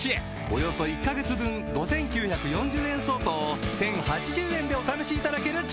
およそ１カ月分５９４０円相当を１０８０円でお試しいただけるチャンスです